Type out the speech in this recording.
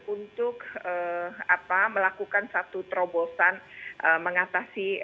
untuk melakukan satu terobosan mengatasi